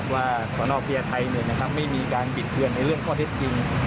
สนพญาไทยไม่มีการบิดเบือนในเรื่องข้อเท็จจริง